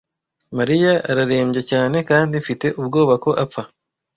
Mariya ararembye cyane kandi mfite ubwoba ko apfa.